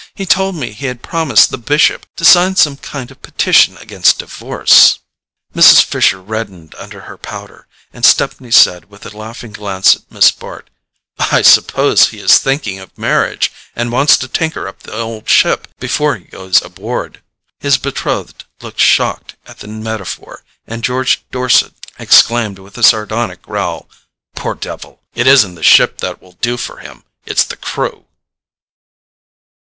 He told me he had promised the Bishop to sign some kind of a petition against divorce." Mrs. Fisher reddened under her powder, and Stepney said with a laughing glance at Miss Bart: "I suppose he is thinking of marriage, and wants to tinker up the old ship before he goes aboard." His betrothed looked shocked at the metaphor, and George Dorset exclaimed with a sardonic growl: "Poor devil! It isn't the ship that will do for him, it's the crew."